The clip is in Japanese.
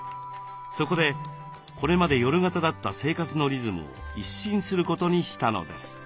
そこでこれまで夜型だった生活のリズムを一新することにしたのです。